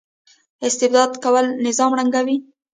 استبداد کول نظام ړنګوي